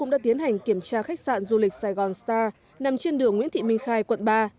đã tiến hành kiểm tra khách sạn du lịch sài gòn star nằm trên đường nguyễn thị minh khai quận ba